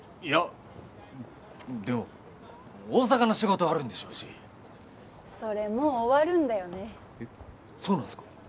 いやでも大阪の仕事あるんでしょうしそれもう終わるんだよねえっそうなんすか？